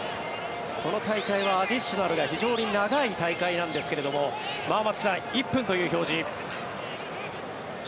この大会はアディショナルが非常に長い大会なんですが松木さん、１分という表示。